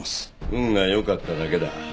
運が良かっただけだ。